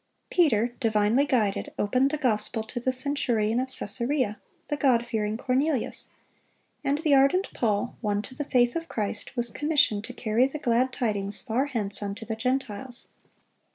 Peter, divinely guided, opened the gospel to the centurion of Cæsarea, the God fearing Cornelius; and the ardent Paul, won to the faith of Christ, was commissioned to carry the glad tidings "far hence unto the Gentiles."